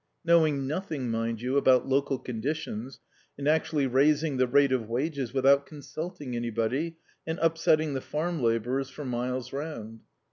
Knowing nothing, mind you, about local conditions, and actually raising the rate of wages without consulting anybody, and upsetting the farm labourers for miles round.